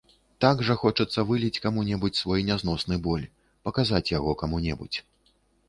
Так жа хочацца выліць каму-небудзь свой нязносны боль, паказаць яго каму-небудзь!